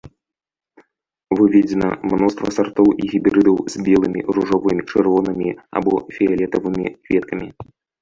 Выведзена мноства сартоў і гібрыдаў з белымі, ружовымі, чырвонымі або фіялетавымі кветкамі.